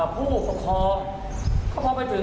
พู่ปกครอง